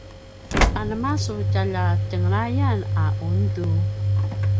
anema su tjalja tjenglayan a undu?